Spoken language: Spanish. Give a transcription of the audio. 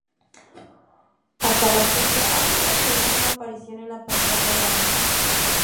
Hasta la fecha ha sido su última aparición en la pantalla grande.